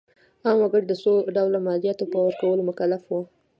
عام وګړي د څو ډوله مالیاتو په ورکولو مکلف وو.